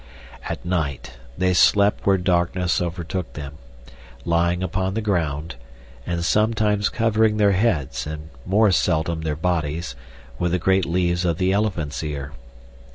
At night they slept where darkness overtook them, lying upon the ground, and sometimes covering their heads, and more seldom their bodies, with the great leaves of the elephant's ear.